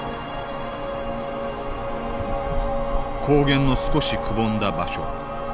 高原の少しくぼんだ場所。